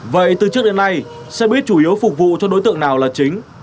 vậy từ trước đến nay xe buýt chủ yếu phục vụ cho đối tượng nào là chính